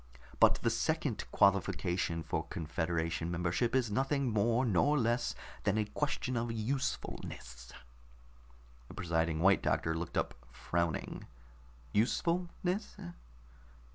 But the second qualification for confederation membership is nothing more nor less than a question of usefulness." The presiding White Doctor looked up, frowning. "Usefulness?"